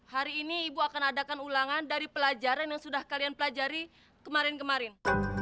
hari ini ibu akan adakan ulangan dari pelajaran yang sudah kalian pelajari kemarin kemarin